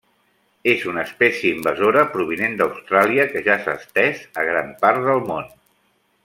És una espècie invasora provinent d'Austràlia, que ja s'ha estès a gran part del món.